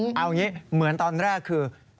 เอาอย่างนี้เหมือนตอนแรกคือ